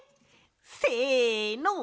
せの！